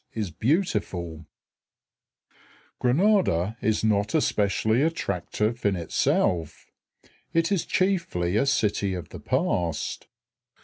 _] Granada is not especially attractive in itself. It is chiefly a city of the past.